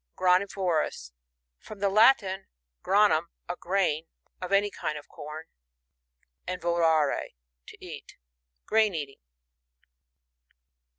Granivorous. — From the Latin, gr^ num,a grain, (of any kind of corn) and vorare, to eat Grain eating.